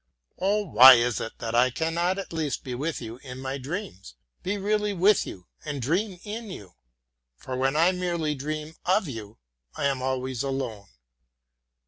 Oh, why is it that I cannot at least be with you in my dreams be really with you and dream in you. For when I merely dream of you, I am always alone.